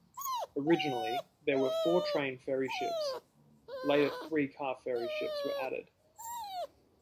Originally there were four train ferry ships; later three car-ferry ships were added.